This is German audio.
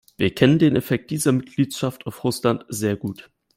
Wir kennen den Effekt dieser Mitgliedschaft auf Russland sehr gut.